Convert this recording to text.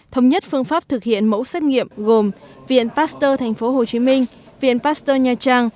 thống nhất phương pháp thực hiện mẫu xét nghiệm gồm viện pasteur tp hcm viện pasteur nha trang